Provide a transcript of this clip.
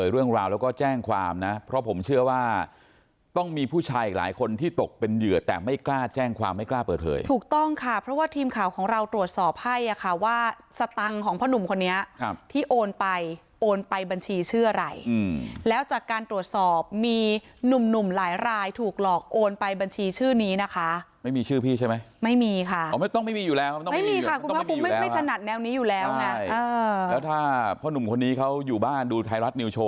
เรื่องราวแล้วก็แจ้งความนะเพราะผมเชื่อว่าต้องมีผู้ชายหลายคนที่ตกเป็นเยือดแต่ไม่กล้าแจ้งความไม่กล้าเปิดเผยถูกต้องค่ะเพราะว่าทีมข่าวของเราตรวจสอบให้อ่ะค่ะว่าสตังของพ่อนุ่มคนนี้ที่โอนไปโอนไปบัญชีชื่ออะไรแล้วจากการตรวจสอบมีหนุ่มหลายถูกหลอกโอนไปบัญชีชื่อนี้นะคะไม่มีชื่อพี่ใช่ไหมไม่มีค่ะไม